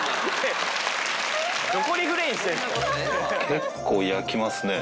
結構、焼きますね。